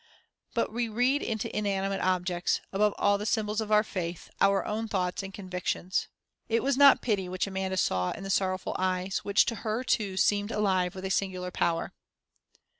But we read into inanimate objects, above all the symbols of our faith, our own thoughts and convictions. It was not pity which Amanda saw in the sorrowful eyes which to her, too, seemed alive with a singular power.